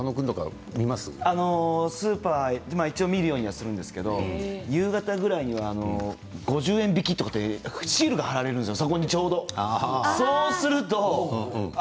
スーパーで見るようにはするんですけど夕方ぐらいには５０円引きとかシールが貼られるんですよ